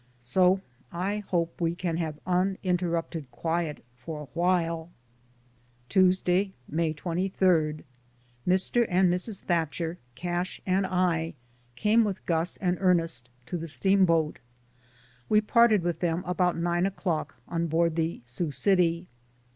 So I hope we can have uninterrupted quiet for awhile. Tuesday, May 23. Mr. and Mrs. Thatcher, Cash and I came with Gus and Ernest to the steamboat. We parted with them about nine o'clock on board the "Sioux City."